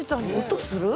音する？